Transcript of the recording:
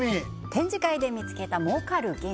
展示会で見つけた儲かる原石